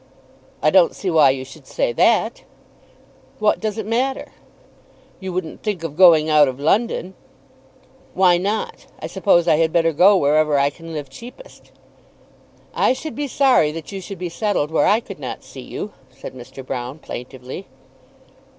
"I don't see why you should say that." "What does it matter?" "You wouldn't think of going out of London." "Why not? I suppose I had better go wherever I can live cheapest." "I should be sorry that you should be settled where I could not see you," said Mr. Broune plaintively.